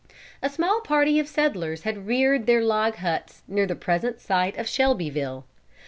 A small party of settlers had reared their log huts near the present site of Shelbyville.